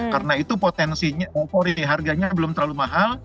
karena itu potensinya harganya belum terlalu mahal